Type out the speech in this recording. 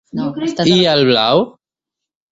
I el blau?